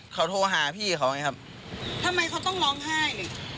เขาโทรหาพี่เขาไงครับทำไมเขาต้องร้องไห้